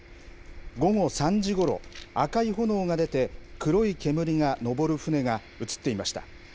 午後３時ごろ、赤い炎が出て、黒い煙が上る船が写っていました。